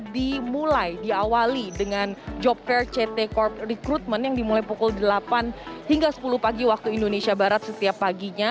dimulai diawali dengan job fair ct corp recruitment yang dimulai pukul delapan hingga sepuluh pagi waktu indonesia barat setiap paginya